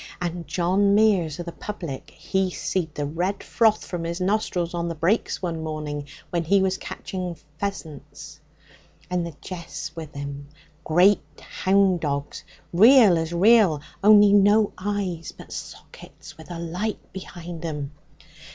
And John Meares o' the public, he seed the red froth from his nostrils on the brakes one morning when he was ketching pheasants. And the jeath's with him, great hound dogs, real as real, only no eyes, but sockets with a light behind 'em.